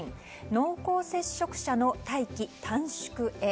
濃厚接触者の待機、短縮へ。